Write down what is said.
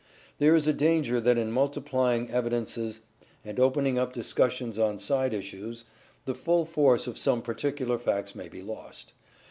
There is a danger that in multiplying evidences and opening up discussions on side issues the full THE STRATFORDIAN VIEW 79 force of some particular facts may be lost.